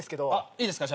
いいですか？